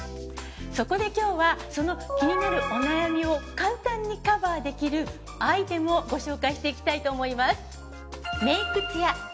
そこで今日はその気になるお悩みを簡単にカバーできるアイテムをご紹介していきたいと思います。